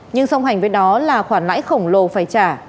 nhưng song hành với đó là khoản lãi khổng lồ phải trả